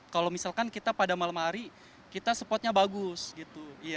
kalau misalkan kita pada malam hari kita supportnya bagus gitu